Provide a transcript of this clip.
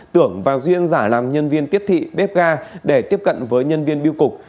tưởng và duyên giả làm nhân viên tiếp thị bếp ga để tiếp cận với nhân viên biêu cục